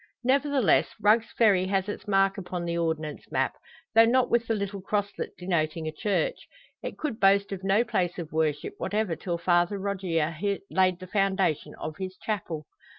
Nevertheless, Rugg's Ferry has its mark upon the Ordnance map, though not with the little crosslet denoting a church. It could boast of no place of worship whatever till Father Rogier laid the foundation of his chapel.